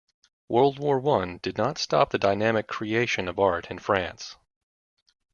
World War One did not stop the dynamic creation of art in France.